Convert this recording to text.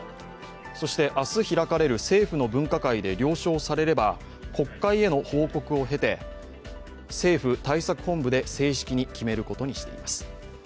そして明日開かれる政府の分科会で了承されれば、国会への報告を経て政府対策本部で正式に決定することにしています。